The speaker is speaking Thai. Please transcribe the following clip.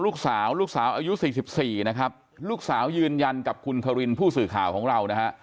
ลูกสาวลูกสาวอายุ๔๔นะครับลูกสาวยืนยันกับคุณคารินผู้สื่อข่าวของเรานะฮะ